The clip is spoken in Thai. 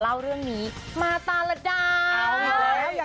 เล่าเรื่องนี้มาตาละดา